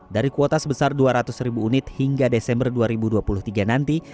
dari kuota sebesar dua ratus ribu unit hingga desember dua ribu dua puluh tiga nanti